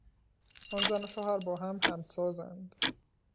آن زن و شوهر با هم همسازند.